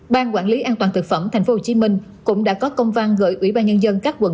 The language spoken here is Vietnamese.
ban quản lý an toàn thực phẩm thành phố hồ chí minh cũng đã có công văn gợi ủy ban nhân dân các quận